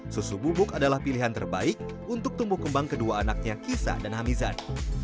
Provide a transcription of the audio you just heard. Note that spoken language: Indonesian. susu bubuk adalah pilihan terbaik untuk tumbuh kembang kedua anaknya kisah dan hamizan